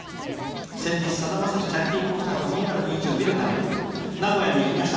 先日、さだまさしチャリティーコンサート２０２１を見るために、名古屋に行きました。